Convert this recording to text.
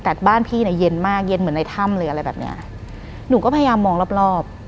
แต่บ้านพี่เนี่ยเย็นมากเย็นเหมือนในถ้ำหรืออะไรแบบเนี้ยหนูก็พยายามมองรอบรอบ